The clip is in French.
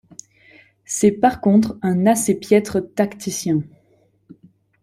C'est par contre un assez piètre tacticien.